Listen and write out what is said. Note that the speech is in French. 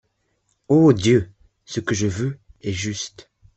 Ô Dieu ! ce que je veux, est juste